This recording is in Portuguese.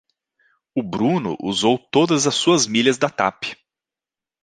O Bruno usou todas as suas milhas da Tap.